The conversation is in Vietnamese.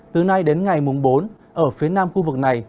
từ nay đến ngày mùng bốn ở phía nam khu vực này